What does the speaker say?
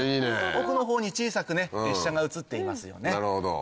奥の方に小さく列車が写っていますよね。